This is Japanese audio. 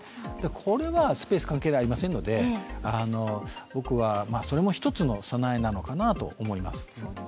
これはスペース関係ありませんのでそれも一つの備えなのかなと思います。